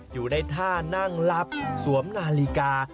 อยู่ในท่านั่งหลับสวมนาฬิกา